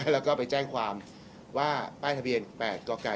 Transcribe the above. แล้วก็ไปแจ้งความว่าป้ายทะเบียน๘กก